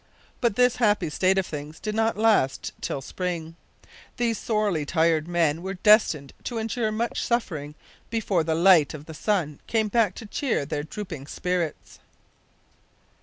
But this happy state of things did not last till spring. These sorely tried men were destined to endure much suffering before the light of the sun came back to cheer their drooping spirits.